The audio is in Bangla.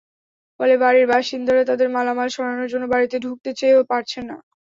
ফলে বাড়ির বাসিন্দারা তাঁদের মালামাল সরানোর জন্য বাড়িতে ঢুকতে চেয়েও পারছেন না।